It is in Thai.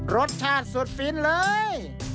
รสชาติสุดฟินเลย